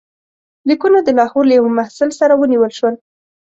لیکونه د لاهور له یوه محصل سره ونیول شول.